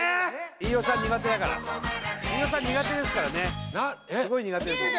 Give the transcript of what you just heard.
飯尾さん苦手だから飯尾さん苦手ですからねなえっすごい苦手ですもんね